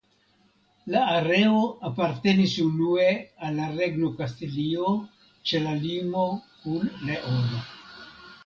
La areo apartenis unue al la Regno Kastilio ĉe la limo kun Leono.